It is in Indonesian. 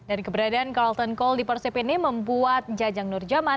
dari keberadaan carlton cole di persib ini membuat jajang nurjaman